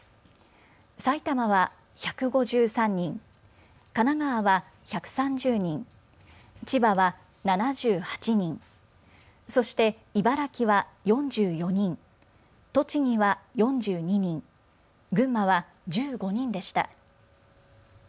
埼玉は１５３人、神奈川は１３０人、千葉は７８人、そして茨城は４４人、栃木は４２人、群馬は１５人でした。